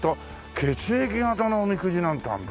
血液型のおみくじなんてあるんだ。